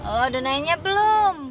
oh udah nanya belum